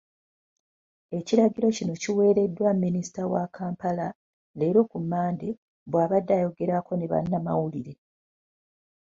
Ekiragiro kino kiweereddwa Minisita wa Kampala, leero ku Mmande, bw'abadde ayogerako ne bannamawulire.